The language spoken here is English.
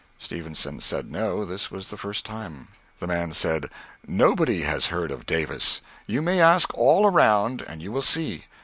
Stevenson said no, this was the first time. The man said "Nobody has heard of Davis: you may ask all around and you will see.